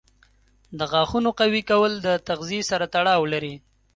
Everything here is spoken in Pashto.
د غاښونو قوي کول د تغذیې سره تړاو لري.